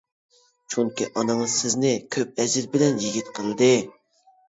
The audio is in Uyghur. چۈنكى ئانىڭىز سىزنى كۆپ ئەجىر بىلەن يىگىت قىلدى.